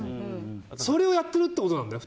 それをやってるってことなんだよ